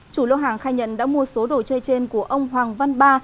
chủ lô hàng khai nhận đã mua số đồ chơi trên của ông hoàng văn ba